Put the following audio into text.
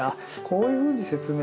こういうふうに説明